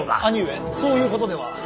兄上そういうことでは。